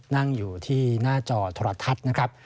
นั่งอยู่ที่หน้าจอโทรทัศน์นะครับ